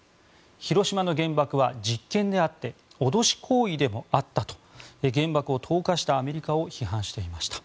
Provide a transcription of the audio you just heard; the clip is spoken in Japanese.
広島の原爆は実験であって脅し行為でもあったと原爆を投下したアメリカを批判していました。